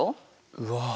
うわ。